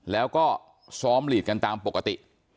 แล้วก็ซ้อมหลีดกันตามปกติ